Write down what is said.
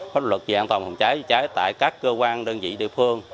pháp luật về an toàn phòng cháy chữa cháy tại các cơ quan đơn vị địa phương